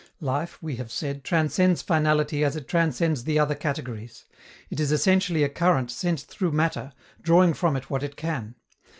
Life, we have said, transcends finality as it transcends the other categories. It is essentially a current sent through matter, drawing from it what it can.